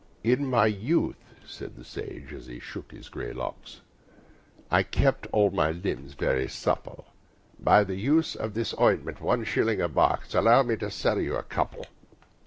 "In my youth," said the sage, as he shook his grey locks, "I kept all my limbs very supple By the use of this ointment one shilling a box Allow me to sell you a couple?"